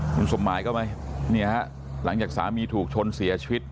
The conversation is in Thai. คุณสมหมายก็ไม่เนี่ยฮะหลังจากสามีถูกชนเสียชีวิต